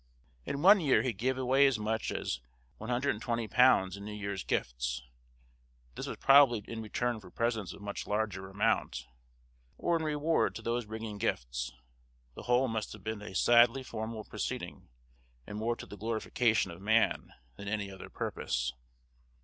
In one year he gave away as much as £120 in New Year's Gifts, but this was probably in return for presents of much larger amount, or in reward to those bringing gifts; the whole must have been a sadly formal proceeding, and more to the glorification of man than any other purpose.